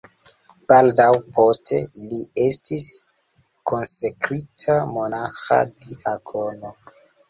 Baldaŭ poste, li estis konsekrita monaĥa diakono.